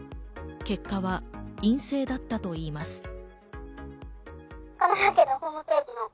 結果は陰性だったといいます。